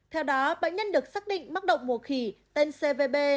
theo đó bệnh nhân được xác định mắc động mùa khỉ tên cvb